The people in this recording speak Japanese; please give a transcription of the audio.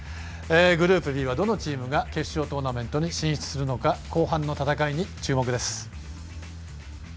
グループＢは、どのチームが決勝トーナメントに進出するのか後半の戦いに注目です。